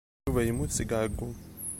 Yuba yemmut seg ɛeyyu.